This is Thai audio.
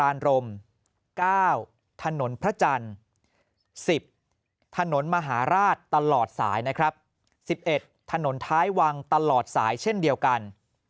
การรม๙ถนนพระจันทร์๑๐ถนนมหาราชตลอดสายนะครับ๑๑ถนนท้ายวังตลอดสายเช่นเดียวกัน